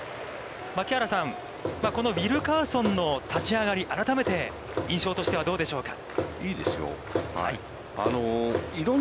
槙原さん、このウィルカーソンの立ち上がり、改めて印象としてはどうでしょうか。